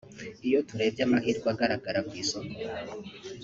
iyo turebye amahirwe agaragara ku isoko